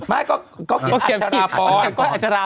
ก้อยอัจฉราพร